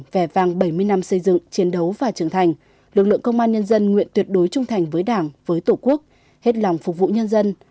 vẻ vàng bảy mươi năm xây dựng chiến đấu và trưởng thành lực lượng công an nhân dân nguyện tuyệt đối trung thành với đảng với tổ quốc hết lòng phục vụ nhân dân